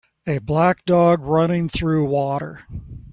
A black dog running through water